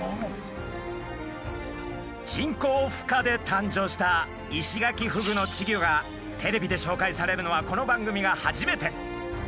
人工ふ化で誕生したイシガキフグの稚魚がテレビで紹介されるのはこの番組が初めて。